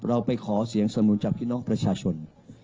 ไปขอเสียงสนุนจากพี่น้องประชาชน